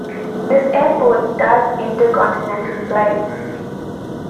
This airport does intercontinental flights.